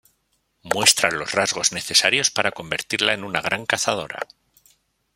Muestra los rasgos necesarios para convertirla en una gran cazadora.